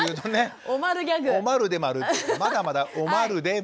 まだまだおまるで○。